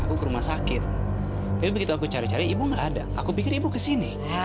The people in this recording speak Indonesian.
aku ke rumah sakit tapi begitu aku cari cari ibu nggak ada aku pikir ibu kesini